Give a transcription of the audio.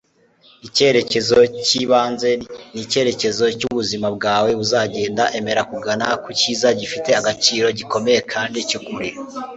icyerekezo cyibanze ni icyerekezo ubuzima bwawe buzagenda. emera kugana ku cyiza, gifite agaciro, gikomeye kandi cy'ukuri